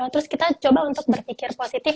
terus kita coba untuk berpikir positif